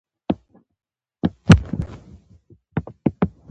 خلک د موزیک او تیاتر له لارې خپل ځای پیدا کوي.